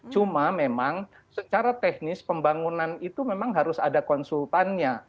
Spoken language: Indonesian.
cuma memang secara teknis pembangunan itu memang harus ada konsultannya